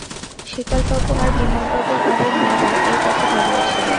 শীতলবাবু আর বিমলবাবুর বাড়ির মেয়েরা এই কথা ভাবিয়াছিল।